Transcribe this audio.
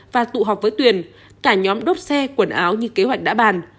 và tụ họp với tuyền cả nhóm đốt xe quần áo như kế hoạch đã bàn